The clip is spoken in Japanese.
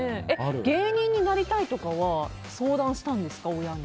芸人になりたいとかは相談したんですか、親に。